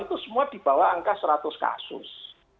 itu semua dibawah angka seratus kasus